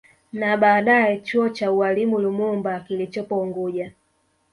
Na baadaye chuo cha ualimu Lumumba kilichopo unguja